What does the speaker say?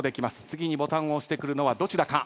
次にボタンを押してくるのはどちらか。